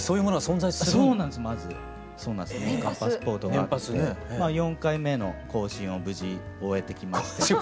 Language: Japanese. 年間パスポートがあって４回目の更新を無事終えてきまして。